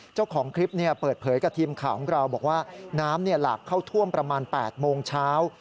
เจ้าของคลิปเปิดเผยกับทีมข่าวของเราบอกว่าน้ำหลากเข้าท่วมประมาณ๘โมงเช้า